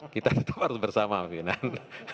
kita itu harus bersama pimpinan